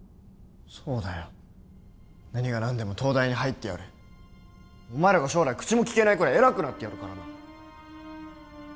そうだよ何が何でも東大に入ってやるお前らが将来口もきけないくらい偉くなってやるからな！